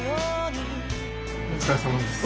お疲れさまです。